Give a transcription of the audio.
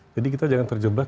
jadi kita jangan terjebak